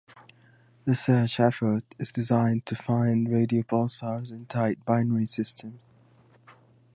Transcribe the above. This search effort is designed to find radio pulsars in tight binary systems.